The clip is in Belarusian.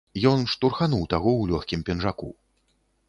Ён штурхануў таго ў лёгкім пінжаку.